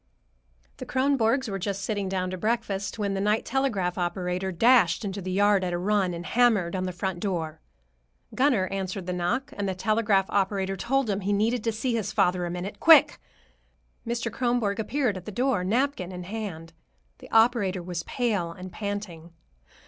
The Kronborgs were just sitting down to breakfast, when the night telegraph operator dashed into the yard at a run and hammered on the front door. Gunner answered the knock, and the telegraph operator told him he wanted to see his father a minute, quick. Mr. Kronborg appeared at the door, napkin in hand. The operator was pale and panting.